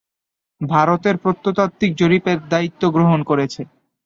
ভারত এর প্রত্নতাত্ত্বিক জরিপ এর দায়িত্ব গ্রহণ করেছে।